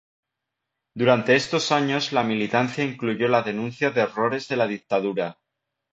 Durante estos años la militancia incluyó la denuncia de horrores de la dictadura.